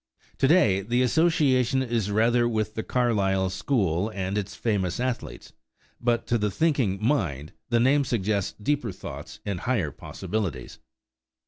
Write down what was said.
To day the association is rather with the Carlisle school and its famous athletes; but to the thinking mind the name suggests deeper thoughts and higher possibilities.